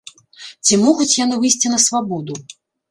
Ці могуць яны выйсці на свабоду?